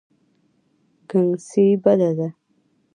ګنګسي بده ده.